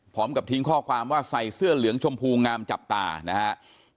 พร้อมกับทิ้งข้อความว่าใส่เสื้อเหลืองชมพูงามจับตานะครับ